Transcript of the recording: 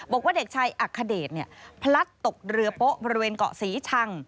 บอกว่าเด็กชายอัคเดชพลัดตกเรือโป๊ะบริเวณเกาะศรีชัง